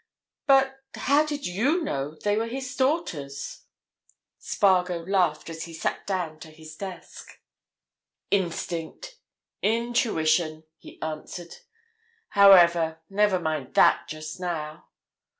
"But—how did you know they were his daughters?" Spargo laughed as he sat down to his desk. "Instinct—intuition," he answered. "However, never mind that, just now.